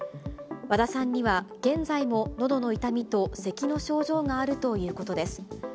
和田さんには現在も、のどの痛みとせきの症状があるということです。